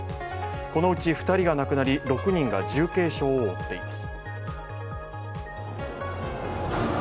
このうち２人が亡くなり、６人が重軽傷を負っています。